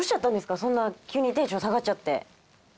そんな急にテンション下がっちゃって。